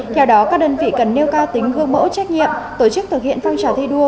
theo đó các đơn vị cần nêu cao tính gương mẫu trách nhiệm tổ chức thực hiện phong trào thi đua